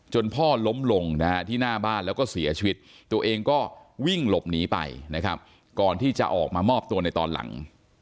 พ่อล้มลงนะฮะที่หน้าบ้านแล้วก็เสียชีวิตตัวเองก็วิ่งหลบหนีไปนะครับก่อนที่จะออกมามอบตัวในตอนหลัง